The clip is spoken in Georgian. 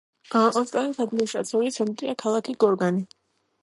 ოსტანის ადმინისტრაციული ცენტრია ქალაქი გორგანი.